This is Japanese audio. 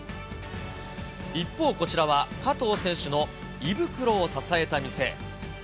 一方、こちらは加藤選手の胃袋を支えた店。